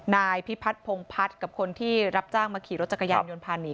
นายพิพัฒนพงพัฒน์กับคนที่รับจ้างมาขี่รถจักรยานยนต์พาหนี